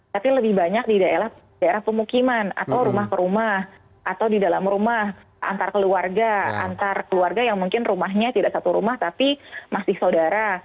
tapi lebih banyak di daerah pemukiman atau rumah ke rumah atau di dalam rumah antar keluarga antar keluarga yang mungkin rumahnya tidak satu rumah tapi masih saudara